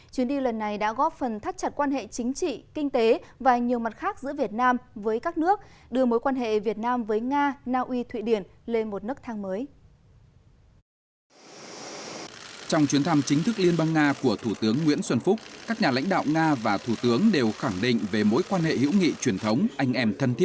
chuyến đi lần này đã góp phần thắt chặt quan hệ chính trị kinh tế và nhiều mặt khác giữa việt nam với các nước đưa mối quan hệ việt nam với nga naui thụy điển lên một nước thang mới